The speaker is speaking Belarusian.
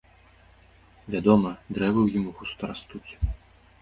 Вядома, дрэвы ў ім густа растуць.